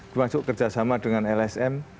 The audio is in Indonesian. termasuk kerjasama dengan lsm